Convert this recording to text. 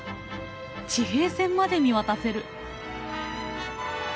地平線まで見渡せる。